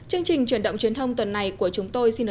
hãy đăng ký kênh để ủng hộ kênh của chúng tôi nhé